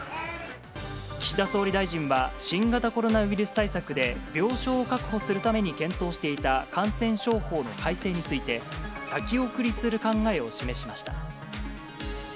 岸田総理大臣は、新型コロナウイルス対策で、病床を確保するために検討していた感染症法の改正について、先送りする考えを示しました。